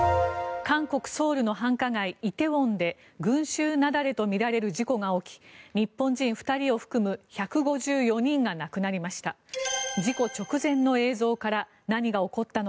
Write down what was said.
韓国ソウルの繁華街、梨泰院で群衆雪崩とみられる事故が起き日本人２人を含む１５４人が亡くなりました。